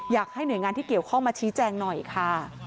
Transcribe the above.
อยากให้หน่วยงานที่เกี่ยวข้องมาชี้แจงหน่อยค่ะ